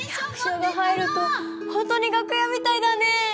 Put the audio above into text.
役者が入るとほんとに楽屋みたいだねぇ。